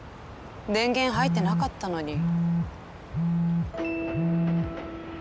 電源入ってなかったのに」。